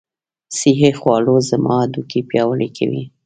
صحي خواړه زما هډوکي پیاوړي کوي.